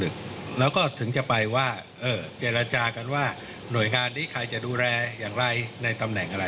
แล้วก็ถึงจะไปว่าเออเจรจากันว่าหน่วยงานนี้ใครจะดูแลอย่างไรในตำแหน่งอะไร